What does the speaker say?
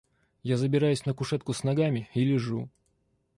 Я забираюсь на кушетку с ногами и лежу.